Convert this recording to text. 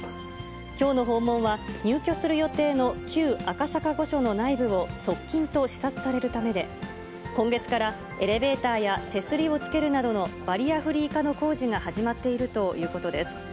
きょうの訪問は、入居する予定の旧赤坂御所の内部を側近と視察されるためで、今月からエレベーターや手すりをつけるなどのバリアフリー化の工事が始まっているということです。